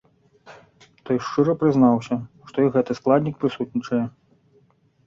Той шчыра прызнаўся, што і гэты складнік прысутнічае.